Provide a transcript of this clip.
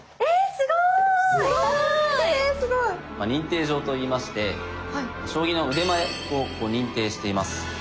すごい！認定状といいまして将棋の腕前を認定しています。